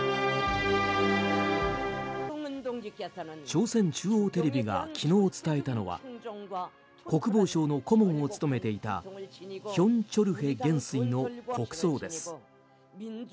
朝鮮中央テレビが昨日伝えたのは国防省の顧問を務めていたヒョン・チョルヘ元帥の国葬です。